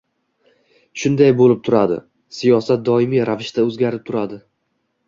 Shunday bo‘lib turadi, siyosat doimiy ravishda o‘zgarib turadi.